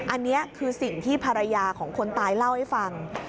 อันนี้คือสิ่งที่ภรรยาของคนตายเล่าให้ฟัง